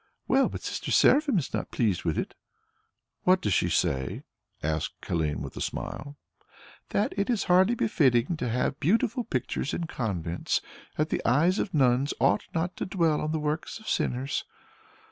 "Well, but Sister Seraphine is not pleased with it." "What does she say?" asked Helene with a smile. "That it is hardly befitting to have beautiful pictures in convents, that the eyes of nuns ought not to dwell on the works of sinners."